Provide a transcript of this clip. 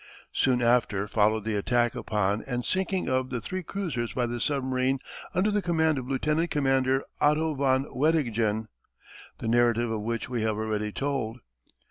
Soon after followed the attack upon and sinking of the three cruisers by the submarine under the command of Lieutenant Commander Otto von Weddigen, the narrative of which we have already told.